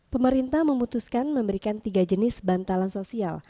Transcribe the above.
pemerintah memutuskan memberikan tiga jenis bantalan sosial